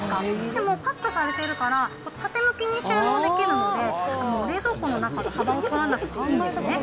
でもパックされてるから、縦向きに収納できるので、冷蔵庫の中で幅をとらなくていいんですね。